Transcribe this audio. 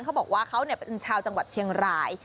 เขาบอกว่าเขาเป็นชาวจังหวัดเชียงราย